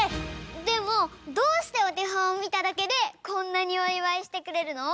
でもどうしておてほんをみただけでこんなにおいわいしてくれるの？